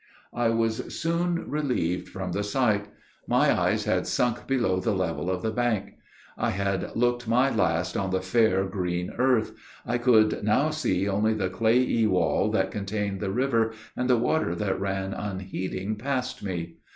I was soon relieved from the sight. My eyes had sunk below the level of the bank. I had looked my last on the fair, green earth. I could now see only the clayey wall that contained the river, and the water that ran unheeding past me.